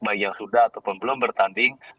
baik yang sudah ataupun belum bertanding